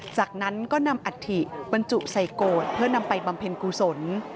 จากนั้นก็นำอัฐิบรรจุใส่โกรธเพื่อนำไปบำเพ็ญกุศล